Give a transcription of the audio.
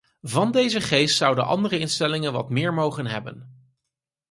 Van deze geest zouden andere instellingen wat meer mogen hebben.